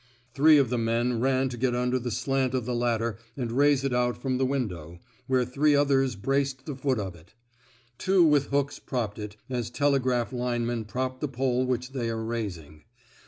Three of the men ran to get under the slant of the ladder and raise it out from the window, while three others braced the foot of it. Two with hooks propped it, as tele graph linemen prop the pole which they are raising.